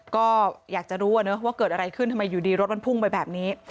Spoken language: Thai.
ก็อยากจะรู้ว่าเกิดอะไรขึ้นทำไมอยู่ดีรถมันพุ่งไปแบบนี้